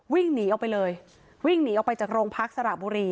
วิ่งหนีออกไปเลยวิ่งหนีออกไปจากโรงพักสระบุรี